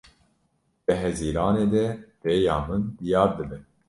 Di hezîranê de rêya min diyar dibe.